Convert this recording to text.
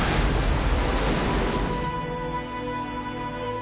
あ！